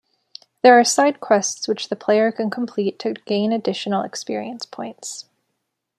There are side quests which the player can complete to gain additional experience points.